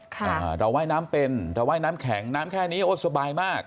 ค่ะเราไหว้น้ำเป็นเราไหว้น้ำแข็งน้ำแค่นี้โอ๊ยสบายมาก